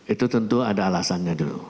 itu tentu ada alasannya dulu